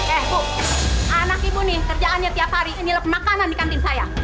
eh bu anak ibu nih kerjaannya tiap hari ini makanan di kantin saya